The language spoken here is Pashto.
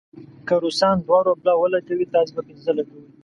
که روسان دوه روبله ولګوي، تاسې به پنځه ولګوئ.